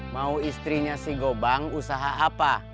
mau istrinya si gobang usaha apa